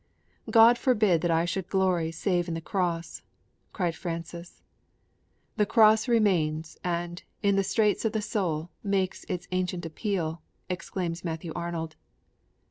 'God forbid that I should glory save in the Cross!' cried Francis. 'The Cross remains, and, in the straits of the soul, makes its ancient appeal!' exclaims Matthew Arnold.